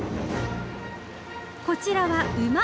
こちらは馬。